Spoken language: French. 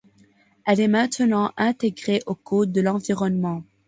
Elle est maintenant intégrée au code de l'environnement.